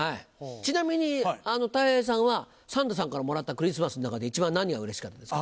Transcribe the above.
ちなみにたい平さんはサンタさんからもらったクリスマスの中で一番何がうれしかったですか？